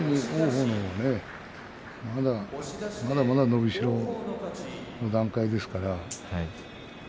王鵬のほうはまだまだ伸びしろの段階ですから。